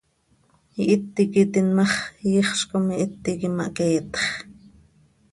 Ihít iiqui tiin ma x, iixz com ihít iiqui mahqueetx.